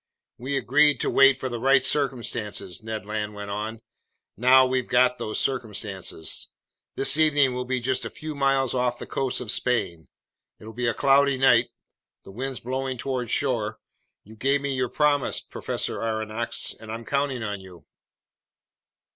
"We agreed to wait for the right circumstances," Ned Land went on. "Now we've got those circumstances. This evening we'll be just a few miles off the coast of Spain. It'll be cloudy tonight. The wind's blowing toward shore. You gave me your promise, Professor Aronnax, and I'm counting on you."